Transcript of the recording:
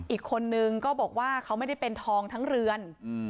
อีกคนนึงก็บอกว่าเขาไม่ได้เป็นทองทั้งเรือน